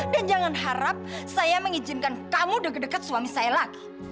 dan jangan harap saya mengizinkan kamu deket deket suami saya lagi